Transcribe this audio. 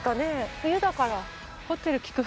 冬だから。